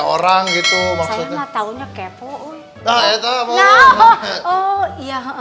hal itu perceraan baik barah